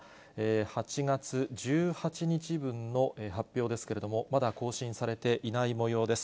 ８月１８日分の発表ですけれども、まだ更新されていないもようです。